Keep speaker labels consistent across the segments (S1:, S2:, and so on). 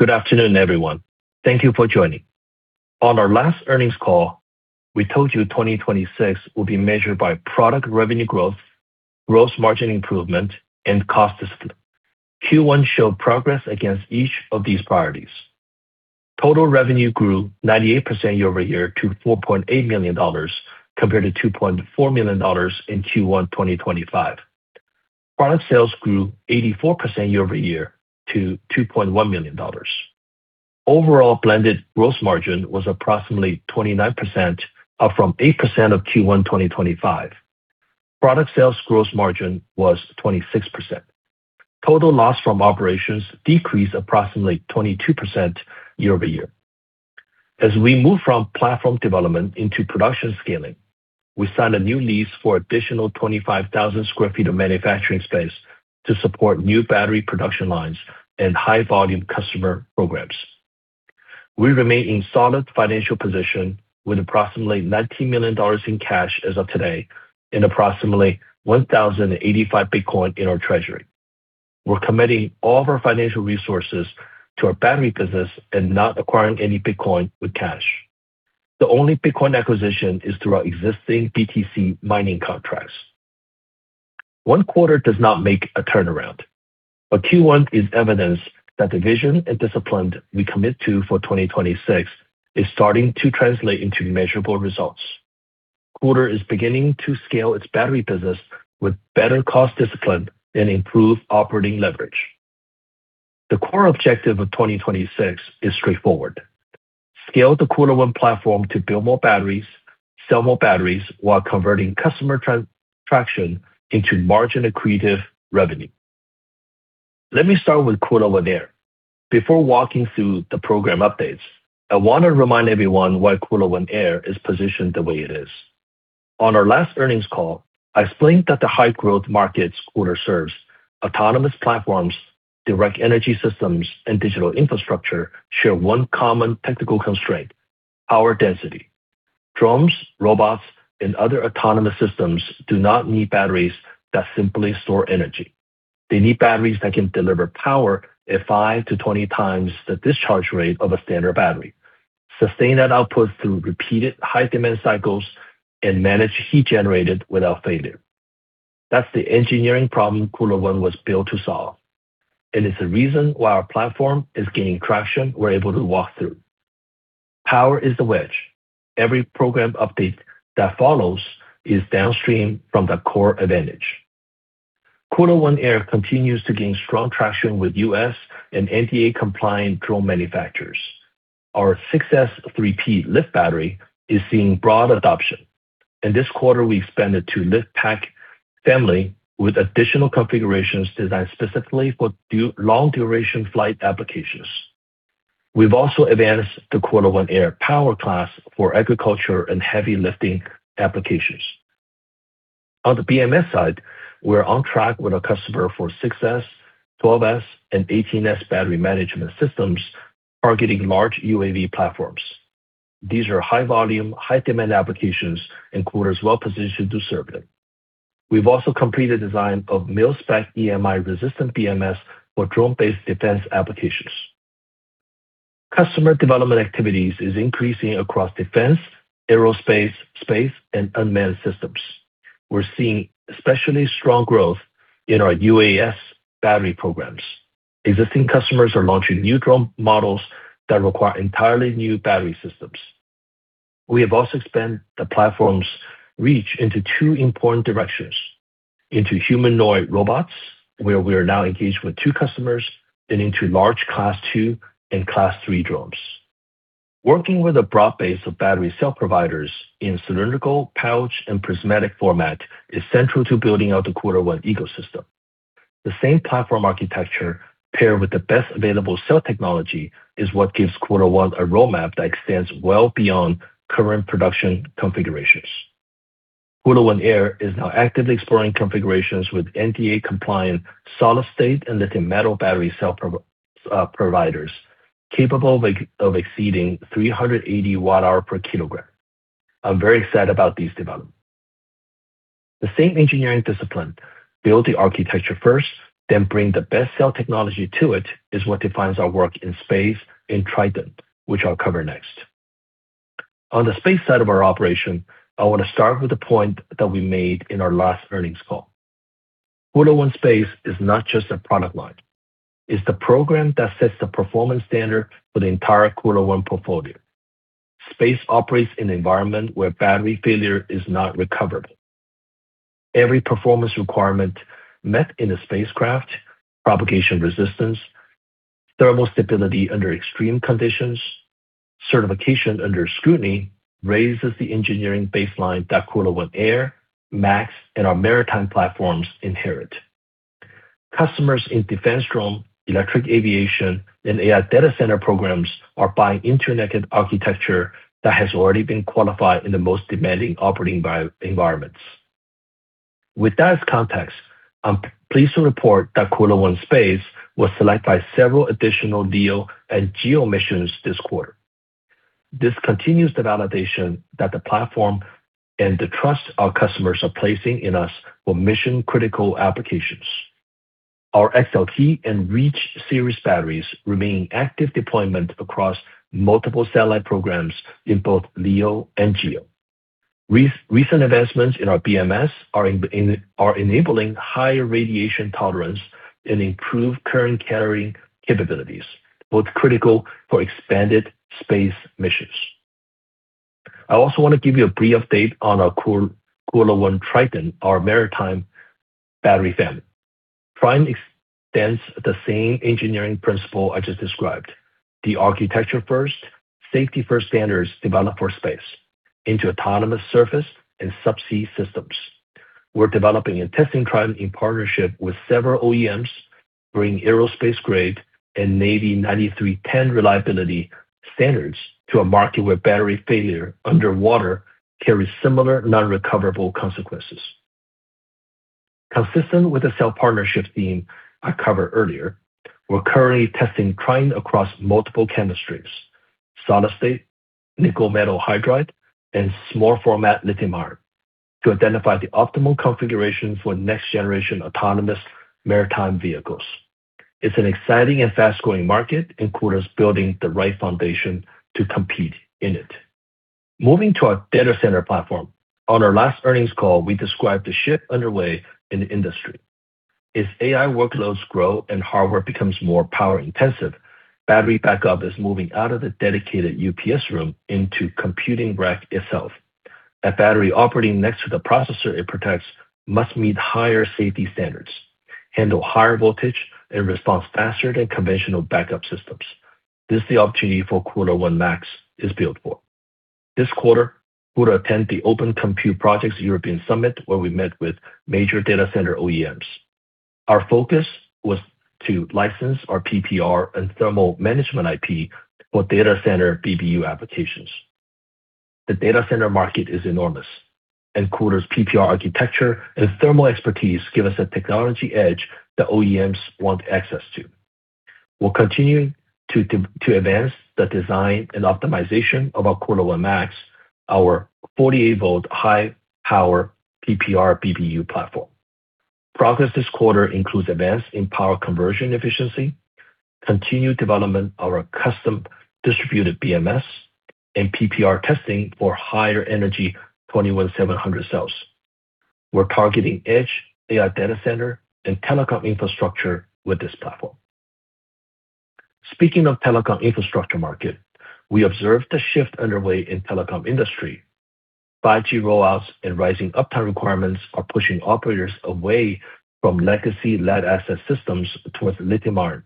S1: Good afternoon, everyone. Thank you for joining. On our last earnings call, we told you 2026 will be measured by product revenue growth, gross margin improvement, and cost discipline. Q1 showed progress against each of these priorities. Total revenue grew 98% year-over-year to $4.8 million compared to $2.4 million in Q1 2025. Product sales grew 84% year-over-year to $2.1 million. Overall blended gross margin was approximately 29%, up from 8% of Q1 2025. Product sales gross margin was 26%. Total loss from operations decreased approximately 22% year-over-year. As we move from platform development into production scaling, we signed a new lease for additional 25,000 sq ft of manufacturing space to support new battery production lines and high volume customer programs. We remain in solid financial position with approximately $19 million in cash as of today and approximately 1,085 BTC in our treasury. We're committing all of our financial resources to our battery business and not acquiring any Bitcoin with cash. The only Bitcoin acquisition is through our existing BTC mining contracts. One quarter does not make a turnaround, but Q1 is evidence that the vision and discipline we commit to for 2026 is starting to translate into measurable results. KULR is beginning to scale its battery business with better cost discipline and improve operating leverage. The core objective of 2026 is straightforward. Scale the KULR ONE platform to build more batteries, sell more batteries while converting customer traction into margin-accretive revenue. Let me start with KULR ONE Air. Before walking through the program updates, I want to remind everyone why KULR ONE Air is positioned the way it is. On our last earnings call, I explained that the high growth markets KULR serves, autonomous platforms, direct energy systems, and digital infrastructure share one common technical constraint, power density. Drones, robots, and other autonomous systems do not need batteries that simply store energy. They need batteries that can deliver power at 5-20 times the discharge rate of a standard battery, sustain that output through repeated high demand cycles, and manage heat generated without failure. That's the engineering problem KULR ONE was built to solve, and it's the reason why our platform is gaining traction we're able to walk through. Power is the wedge. Every program update that follows is downstream from the core advantage. KULR ONE Air continues to gain strong traction with U.S. and NDAA-compliant drone manufacturers. Our S3P lift battery is seeing broad adoption. In this quarter, we expanded to lift pack family with additional configurations designed specifically for long duration flight applications. We've also advanced the KULR ONE Air power class for agriculture and heavy lifting applications. On the BMS side, we're on track with a customer for 6S, 12S, and 18S battery management systems targeting large UAV platforms. These are high volume, high demand applications, and KULR is well positioned to serve them. We've also completed design of mil-spec EMI-resistant BMS for drone-based defense applications. Customer development activities is increasing across defense, aerospace, space, and unmanned systems. We're seeing especially strong growth in our UAS battery programs. Existing customers are launching new drone models that require entirely new battery systems. We have also expanded the platform's reach into two important directions, into humanoid robots, where we are now engaged with two customers, and into large class two and class three drones. Working with a broad base of battery cell providers in cylindrical, pouch, and prismatic format is central to building out the KULR ONE ecosystem. The same platform architecture paired with the best available cell technology is what gives KULR ONE a roadmap that extends well beyond current production configurations. KULR ONE Air is now actively exploring configurations with NDAA-compliant solid state and lithium metal battery cell providers capable of exceeding 380 Wh/kg. I'm very excited about these developments. The same engineering discipline build the architecture first, then bring the best cell technology to it, is what defines our work in space in Triton, which I'll cover next. On the space side of our operation, I wanna start with the point that we made in our last earnings call. KULR ONE Space is not just a product line, it's the program that sets the performance standard for the entire KULR ONE portfolio. Space operates in an environment where battery failure is not recoverable. Every performance requirement met in a spacecraft, propagation resistance, thermal stability under extreme conditions, certification under scrutiny raises the engineering baseline that KULR ONE Air, MAX, and our maritime platforms inherit. Customers in defense drone, electric aviation, and AI data center programs are buying integrated architecture that has already been qualified in the most demanding operating environments. With that as context, I'm pleased to report that KULR ONE Space was selected by several additional LEO and GEO missions this quarter. This continues the validation that the platform and the trust our customers are placing in us for mission-critical applications. Our XLT and Reach series batteries remain active deployment across multiple satellite programs in both LEO and GEO. Recent investments in our BMS are enabling higher radiation tolerance and improved current carrying capabilities, both critical for expanded space missions. I also wanna give you a brief update on our KULR ONE Triton, our maritime battery family. Triton extends the same engineering principle I just described, the architecture first, safety first standards developed for space into autonomous surface and subsea systems. We're developing and testing Triton in partnership with several OEMs, bringing aerospace-grade and Navy 9310 reliability standards to a market where battery failure underwater carries similar non-recoverable consequences. Consistent with the cell partnership theme I covered earlier, we're currently testing Triton across multiple chemistries, solid state, nickel metal hydride, and small format lithium-ion, to identify the optimal configuration for next generation autonomous maritime vehicles. It's an exciting and fast-growing market, KULR's building the right foundation to compete in it. Moving to our data center platform. On our last earnings call, we described the shift underway in the industry. As AI workloads grow and hardware becomes more power intensive, battery backup is moving out of the dedicated UPS room into computing rack itself. A battery operating next to the processor it protects must meet higher safety standards, handle higher voltage, and responds faster than conventional backup systems. This is the opportunity for KULR ONE MAX is built for. This quarter, KULR attend the Open Compute Project EMEA Summit, where we met with major data center OEMs. Our focus was to license our PPR and thermal management IP for data center BBU applications. The data center market is enormous, and KULR's PPR architecture and thermal expertise give us a technology edge that OEMs want access to. We'll continue to advance the design and optimization of our KULR ONE MAX, our 48 V high power PPR BBU platform. Progress this quarter includes advances in power conversion efficiency, continued development of our custom distributed BMS, and PPR testing for higher energy 2170 cells. We're targeting edge, AI data center, and telecom infrastructure with this platform. Speaking of telecom infrastructure market, we observed the shift underway in telecom industry. 5G rollouts and rising uptime requirements are pushing operators away from legacy lead acid systems towards lithium ion.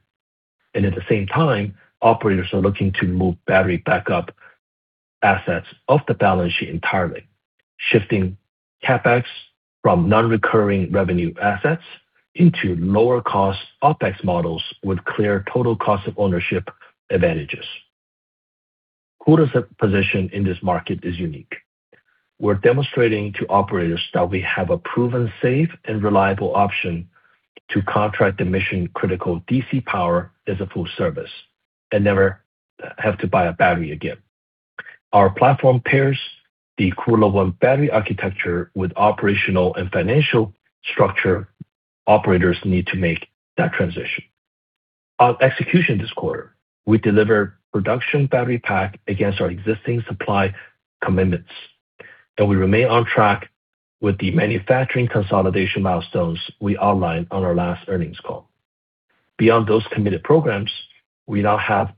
S1: At the same time, operators are looking to move battery backup assets off the balance sheet entirely, shifting CapEx from non-recurring revenue assets into lower cost OpEx models with clear total cost of ownership advantages. KULR's position in this market is unique. We're demonstrating to operators that we have a proven, safe, and reliable option to contract the mission-critical DC power as a full service and never have to buy a battery again. Our platform pairs the KULR ONE battery architecture with operational and financial structure operators need to make that transition. On execution this quarter, we delivered production battery pack against our existing supply commitments, and we remain on track with the manufacturing consolidation milestones we outlined on our last earnings call. Beyond those committed programs, we now have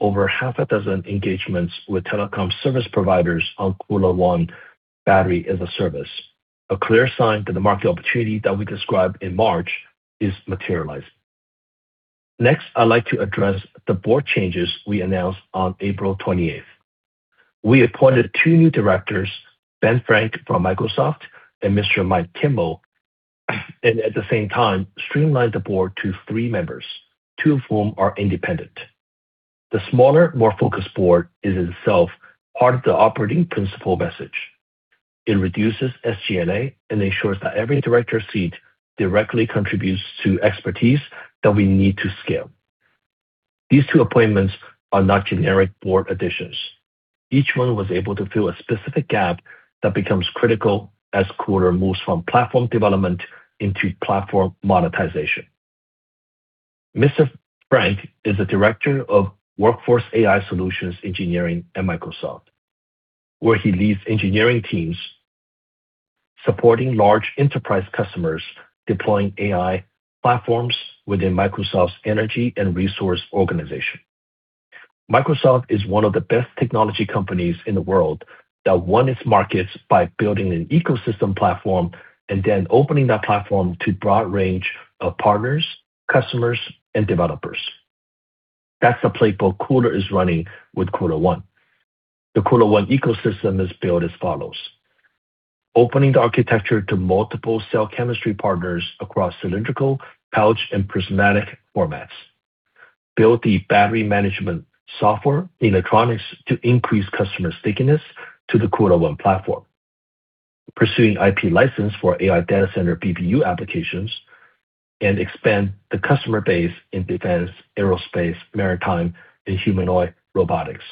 S1: over half a dozen engagements with telecom service providers on KULR ONE battery-as-a-service, a clear sign that the market opportunity that we described in March is materialized. I'd like to address the board changes we announced on April 28th. We appointed two new directors, Ben Frank from Microsoft and Mr. Mike Kimel, and at the same time streamlined the board to three members, two of whom are independent. The smaller, more focused board is itself part of the operating principle message. It reduces SG&A and ensures that every director seat directly contributes to expertise that we need to scale. These two appointments are not generic board additions. Each one was able to fill a specific gap that becomes critical as KULR moves from platform development into platform monetization. Mr. Frank is the Director of Workforce AI Solutions Engineering at Microsoft, where he leads engineering teams supporting large enterprise customers deploying AI platforms within Microsoft's Energy and Resource organization. Microsoft is one of the best technology companies in the world that won its markets by building an ecosystem platform and then opening that platform to broad range of partners, customers, and developers. That's the playbook KULR is running with KULR ONE. The KULR ONE ecosystem is built as follows, opening the architecture to multiple cell chemistry partners across cylindrical, pouch, and prismatic formats. Build the battery management software electronics to increase customer stickiness to the KULR ONE platform. Pursuing IP license for AI data center BBU applications, and expand the customer base in defense, aerospace, maritime, and humanoid robotics.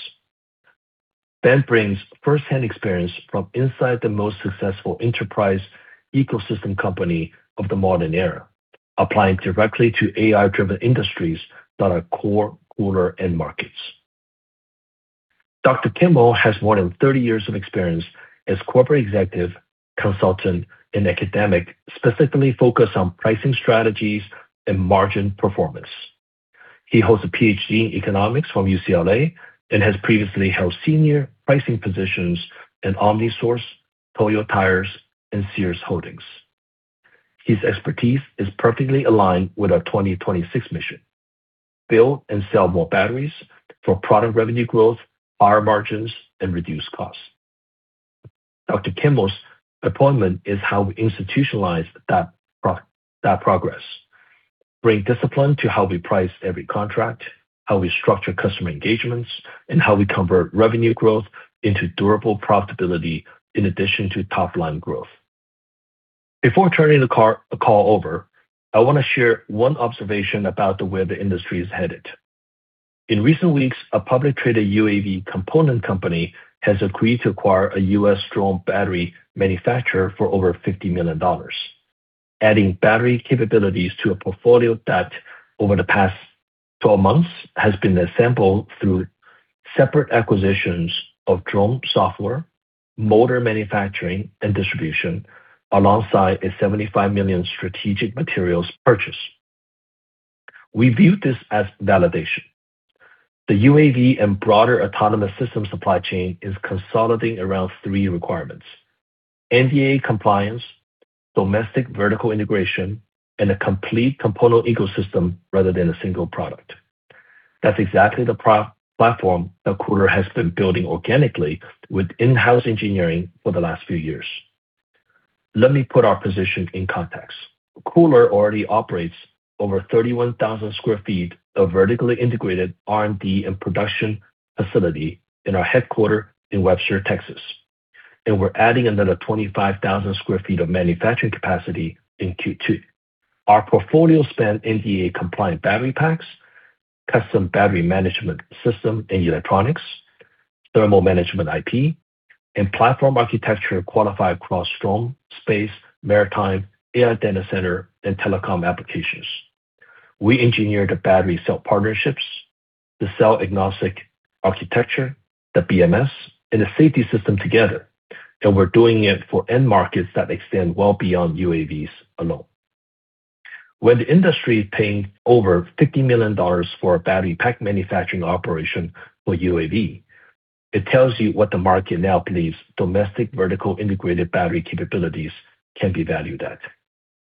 S1: Ben Frank brings first hand experience from inside the most successful enterprise ecosystem company of the modern era, applying directly to AI-driven industries that are core KULR end markets. Dr. Kimel has more than 30 years of experience as corporate executive, consultant, and academic, specifically focused on pricing strategies and margin performance. He holds a PhD in economics from UCLA and has previously held senior pricing positions at OmniSource, Toyo Tires, and Sears Holdings. His expertise is perfectly aligned with our 2026 mission, build and sell more batteries for product revenue growth, higher margins, and reduced costs. Dr. Kimel's appointment is how we institutionalize that progress, bring discipline to how we price every contract, how we structure customer engagements, and how we convert revenue growth into durable profitability in addition to top line growth. Before turning the call over, I wanna share one observation about the way the industry is headed. In recent weeks, a public traded UAV component company has agreed to acquire a U.S. drone battery manufacturer for over $50 million, adding battery capabilities to a portfolio that over the past 12 months has been assembled through separate acquisitions of drone software, motor manufacturing and distribution, alongside a $75 million strategic materials purchase. We view this as validation. The UAV and broader autonomous system supply chain is consolidating around three requirements: NDAA compliance, domestic vertical integration, and a complete component ecosystem rather than a single product. That's exactly the pro-platform that KULR has been building organically with in-house engineering for the last few years. Let me put our position in context. KULR already operates over 31,000 sq ft of vertically integrated R&D and production facility in our headquarters in Webster, Texas. We're adding another 25,000 sq ft of manufacturing capacity in Q2. Our portfolio spans NDAA-compliant battery packs, custom battery management system and electronics, thermal management IP, and platform architecture qualified across drone, space, maritime, AI data center, and telecom applications. We engineer the battery cell partnerships, the cell agnostic architecture, the BMS, and the safety system together, and we're doing it for end markets that extend well beyond UAVs alone. When the industry is paying over $50 million for a battery pack manufacturing operation for UAV, it tells you what the market now believes domestic vertical integrated battery capabilities can be valued at.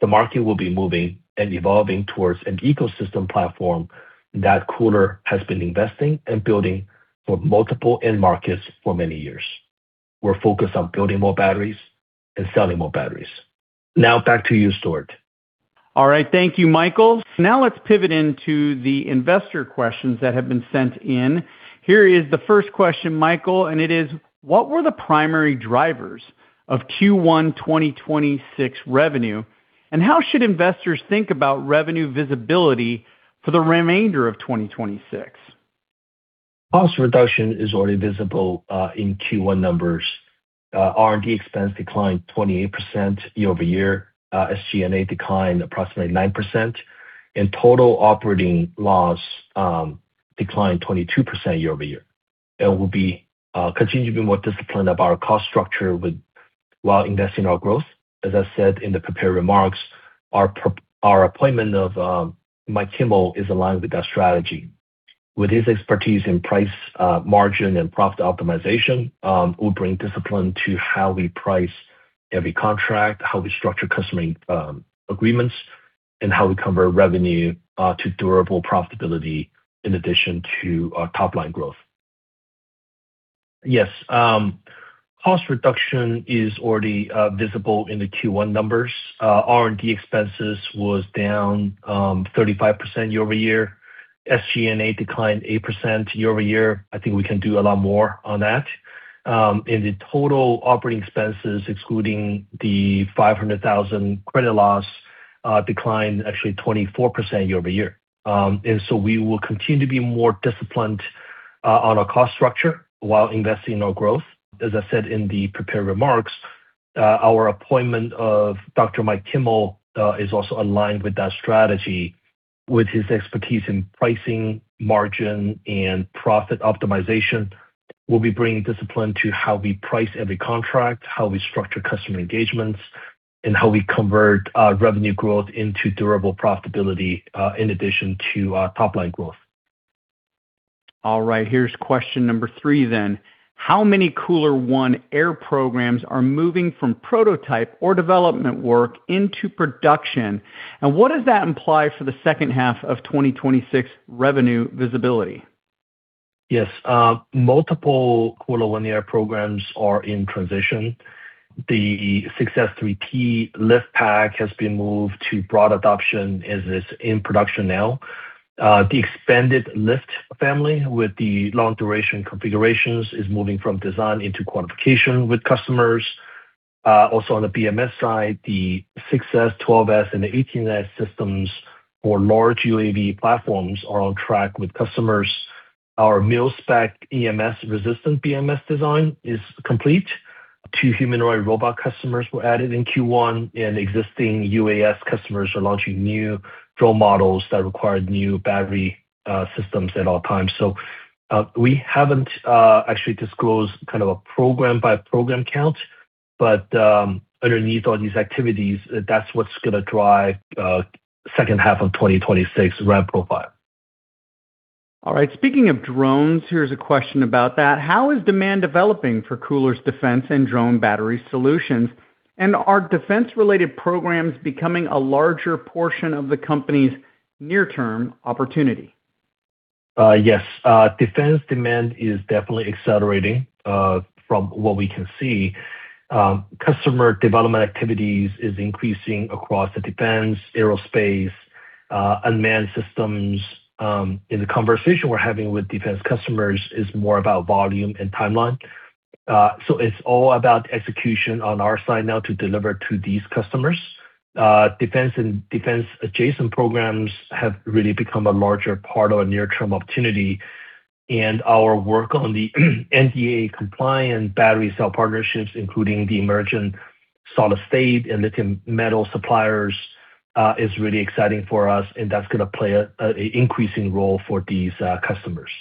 S1: The market will be moving and evolving towards an ecosystem platform that KULR has been investing and building for multiple end markets for many years. We're focused on building more batteries and selling more batteries. Now back to you, Stuart.
S2: All right. Thank you, Michael. Let's pivot into the investor questions that have been sent in. Here is the first question, Michael, and it is: What were the primary drivers of Q1 2026 revenue, and how should investors think about revenue visibility for the remainder of 2026?
S1: Cost reduction is already visible in Q1 numbers. R&D expense declined 28% year-over-year. SG&A declined approximately 9%. Total operating loss declined 22% year-over-year. We'll be continuing to be more disciplined about our cost structure while investing our growth. As I said in the prepared remarks, our appointment of Mike Kimel is aligned with that strategy. With his expertise in price, margin, and profit optimization, we'll bring discipline to how we price every contract, how we structure customer agreements, and how we convert revenue to durable profitability in addition to top line growth. Yes. Cost reduction is already visible in the Q1 numbers. R&D expenses was down 35% year-over-year. SG&A declined 8% year-over-year. I think we can do a lot more on that. The total operating expenses, excluding the $500,000 credit loss, declined actually 24% year-over-year. We will continue to be more disciplined on our cost structure while investing in our growth. As I said in the prepared remarks, our appointment of Dr. Mike Kimel is also aligned with that strategy. With his expertise in pricing, margin, and profit optimization, we'll be bringing discipline to how we price every contract, how we structure customer engagements, and how we convert revenue growth into durable profitability in addition to top line growth.
S2: All right. Here's question number three then. How many KULR ONE Air programs are moving from prototype or development work into production, and what does that imply for the second half of 2026 revenue visibility?
S1: Yes. Multiple KULR ONE Air programs are in transition. The S3P lift pack has been moved to broad adoption, as it's in production now. The expanded lift family with the long duration configurations is moving from design into quantification with customers. Also on the BMS side, the 6S, 12S, and the 18S systems for large UAV platforms are on track with customers. Our mil-spec EMI resistant BMS design is complete. Two humanoid robot customers were added in Q1, and existing UAS customers are launching new drone models that require new battery systems at all times. We haven't actually disclosed kind of a program by program count, but underneath all these activities, that's what's gonna drive second half of 2026 rev profile.
S2: All right. Speaking of drones, here's a question about that. How is demand developing for KULR's defense and drone battery solutions? Are defense related programs becoming a larger portion of the company's near-term opportunity?
S1: Yes. Defense demand is definitely accelerating from what we can see. Customer development activities is increasing across the defense, aerospace, unmanned systems. The conversation we're having with defense customers is more about volume and timeline. It's all about execution on our side now to deliver to these customers. Defense and defense adjacent programs have really become a larger part of our near-term opportunity. Our work on the NDAA compliant battery cell partnerships, including the emergent solid state and lithium metal suppliers, is really exciting for us, and that's gonna play a increasing role for these customers.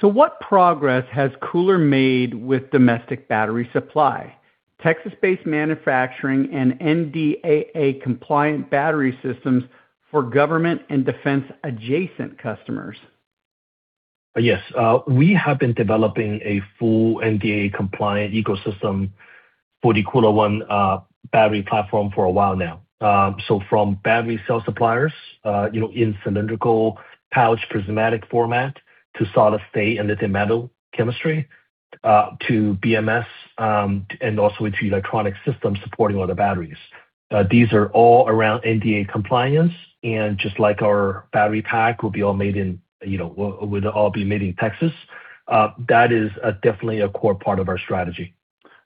S2: What progress has KULR made with domestic battery supply? Texas-based manufacturing and NDAA compliant battery systems for government and defense adjacent customers.
S1: Yes. We have been developing a full NDAA compliant ecosystem for the KULR ONE battery platform for a while now. From battery cell suppliers, you know, in cylindrical pouch prismatic format to solid state and lithium metal chemistry, to BMS, also to electronic systems supporting all the batteries. These are all around NDAA compliance, just like our battery pack will be all made in, you know, will all be made in Texas. That is definitely a core part of our strategy.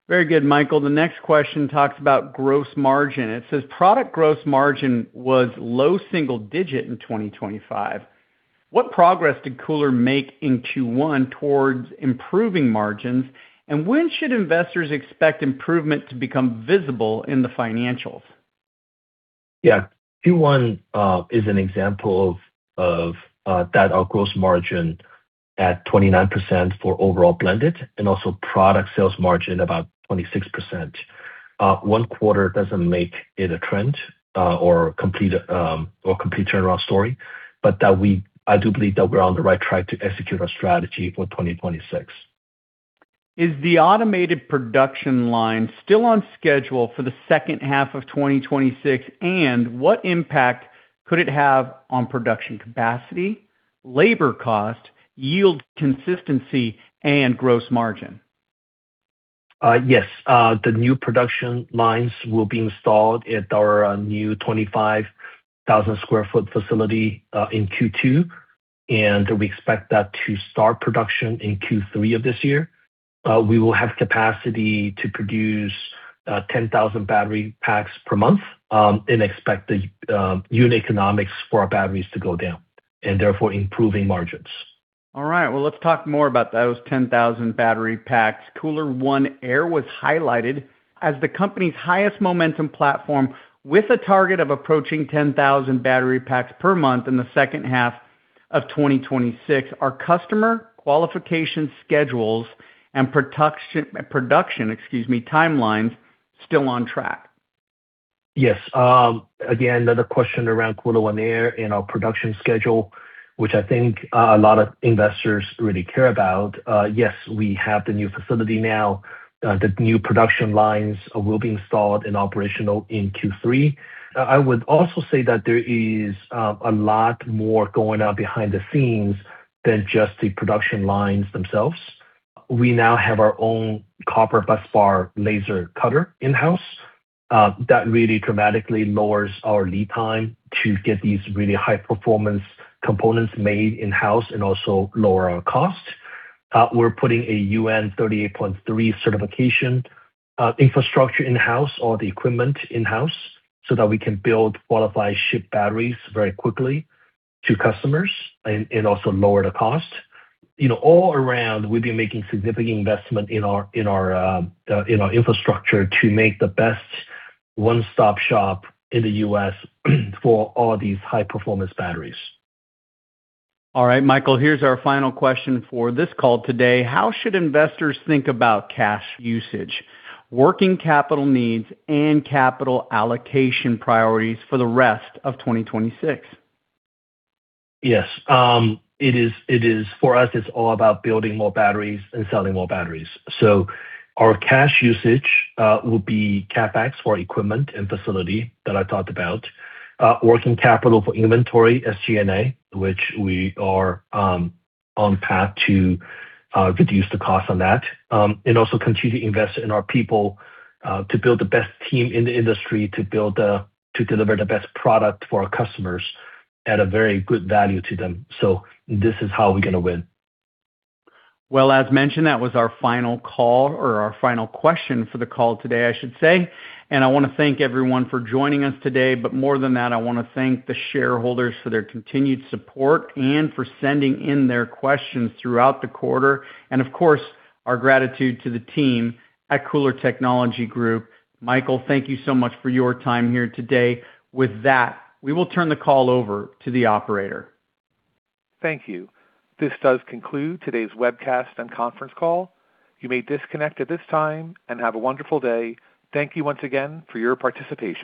S2: Very good, Michael. The next question talks about gross margin. It says product gross margin was low single digit in 2025. What progress did KULR make in Q1 towards improving margins? When should investors expect improvement to become visible in the financials?
S1: Yeah. Q1 is an example of that our gross margin at 29% for overall blended and also product sales margin about 26%. One quarter doesn't make it a trend or complete or complete turnaround story. That I do believe that we're on the right track to execute our strategy for 2026.
S2: Is the automated production line still on schedule for the second half of 2026? What impact could it have on production capacity, labor cost, yield consistency, and gross margin?
S1: Yes. The new production lines will be installed at our new 25,000 sq ft facility in Q2, and we expect that to start production in Q3 of this year. We will have capacity to produce 10,000 battery packs per month, and expect the unit economics for our batteries to go down and therefore improving margins.
S2: All right, well let's talk more about those 10,000 battery packs. KULR ONE Air was highlighted as the company's highest momentum platform with a target of approaching 10,000 battery packs per month in the second half of 2026. Are customer qualification schedules and production timelines still on track?
S1: Yes. Again, another question around KULR ONE Air and our production schedule, which I think a lot of investors really care about. Yes, we have the new facility now. The new production lines will be installed and operational in Q3. I would also say that there is a lot more going on behind the scenes than just the production lines themselves. We now have our own copper busbar laser cutter in-house, that really dramatically lowers our lead time to get these really high performance components made in-house and also lower our cost. We're putting a UN 38.3 certification infrastructure in-house, all the equipment in-house, so that we can build, qualify, ship batteries very quickly to customers and also lower the cost. You know, all around, we've been making significant investment in our infrastructure to make the best one-stop shop in the U.S. for all these high performance batteries.
S2: All right, Michael, here's our final question for this call today. How should investors think about cash usage, working capital needs and capital allocation priorities for the rest of 2026?
S1: Yes. It is, for us, it's all about building more batteries and selling more batteries. Our cash usage will be CapEx for equipment and facility that I talked about. Working capital for inventory, SG&A, which we are on path to reduce the cost on that. Also continue to invest in our people to build the best team in the industry, to deliver the best product for our customers at a very good value to them. This is how we're gonna win.
S2: Well, as mentioned, that was our final call or our final question for the call today, I should say. I wanna thank everyone for joining us today. More than that, I wanna thank the shareholders for their continued support and for sending in their questions throughout the quarter. Of course, our gratitude to the team at KULR Technology Group. Michael, thank you so much for your time here today. With that, we will turn the call over to the operator.
S3: Thank you. This does conclude today's webcast and conference call. You may disconnect at this time and have a wonderful day. Thank you once again for your participation.